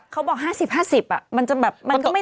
เขาบอก๕๐๕๐อะมันก็ไม่แน่ใจ